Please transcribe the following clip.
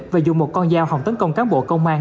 về dùng một con dao hỏng tấn công cán bộ công an